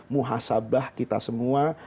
muhasabah kita semua